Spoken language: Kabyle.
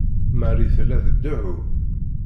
Marie tella tdeɛɛu.